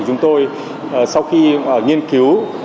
chúng tôi sau khi nghiên cứu